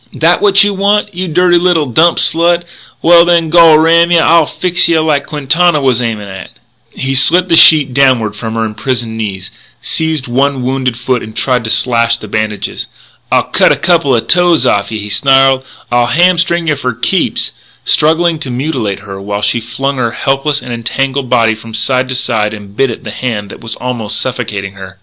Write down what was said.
That what you want you dirty little dump slut? Well, then, gol ram yeh I'll fix yeh like Quintana was aimin' at " He slit the sheet downward from her imprisoned knees, seized one wounded foot and tried to slash the bandages. "I'll cut a coupla toes off'n yeh," he snarled, " I'll hamstring yeh fur keeps!" struggling to mutilate her while she flung her helpless and entangled body from side to side and bit at the hand that was almost suffocating her.